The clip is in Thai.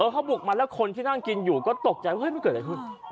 เขาบุกมาแล้วคนที่นั่งกินอยู่ก็ตกใจว่ามันเกิดอะไรขึ้น